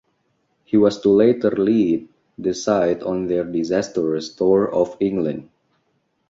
He was to later lead the side on their disastrous tour of England.